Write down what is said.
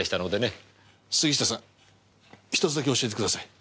杉下さん１つだけ教えてください。